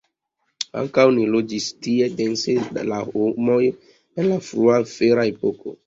Ankaŭ ne loĝis tie dense la homoj en la frua fera epoko.